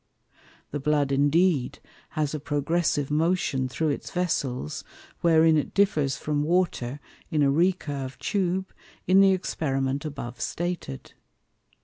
The Blood indeed has a Progressive Motion through its Vessels, wherein it differs from Water, in a recurve Tube, in the Experiment above stated.